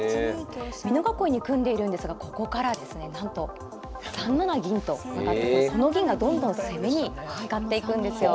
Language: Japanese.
美濃囲いに組んでいるんですがここからですねなんと３七銀と上がってその銀がどんどん攻めに使っていくんですよ。